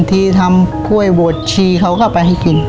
ที่ทำกล้วยบวชชีเขาก็ไปให้กิน